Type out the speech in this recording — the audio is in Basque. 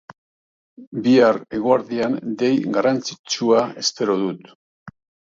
Bihar eguerdian dei garrantzitsua espero dut.